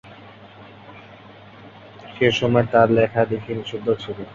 সেসময় তার লেখা-লেখি নিষিদ্ধ ছিল।